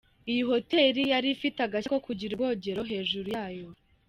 Iyi Hoteli yari ifite agashya ko kugira ubwogero hejuru yayo .